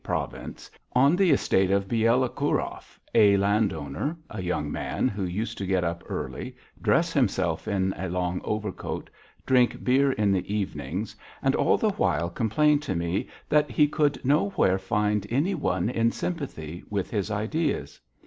province, on the estate of Bielokurov, a landowner, a young man who used to get up early, dress himself in a long overcoat, drink beer in the evenings, and all the while complain to me that he could nowhere find any one in sympathy with his ideas.